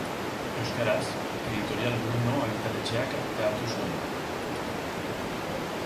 Euskaraz, Editorial Bruno argitaletxeak argitaratu zuen.